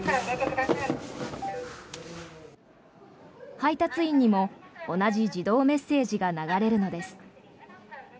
配達員にも同じ自動メッセージが流れるのです。